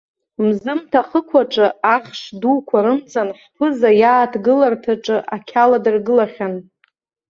Мзымҭа ахықә аҿы, аӷш дуқәа рымҵан, ҳԥыза иааҭгыларҭаҿы ақьала дыргылахьан.